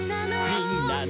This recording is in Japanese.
「みんなの」